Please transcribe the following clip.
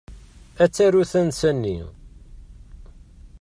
Ad taru tansa-nni.